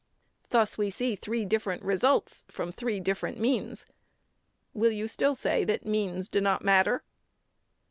Thus we see three different results from three different means. Will you still say that means do not matter?